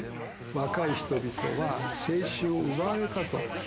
若い人々は青春を奪われたと。